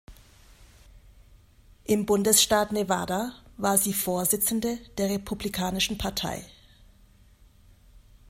Im Bundesstaat Nevada war sie Vorsitzende der Republikanischen Partei.